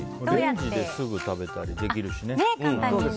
レンジですぐ食べたりできるしね。